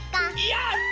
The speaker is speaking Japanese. やった！